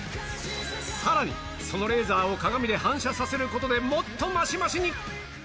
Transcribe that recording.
さらに、そのレーザーを鏡で反射させることで、もっと増し増しに。